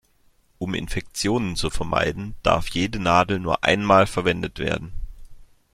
Um Infektionen zu vermeiden, darf jede Nadel nur einmal verwendet werden.